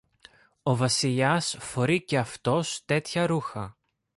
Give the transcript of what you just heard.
Ο Βασιλιάς φορεί και αυτός τέτοια ρούχα.